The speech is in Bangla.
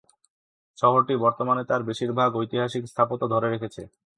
শহরটি বর্তমানে তার বেশিরভাগ ঐতিহাসিক স্থাপত্য ধরে রেখেছে।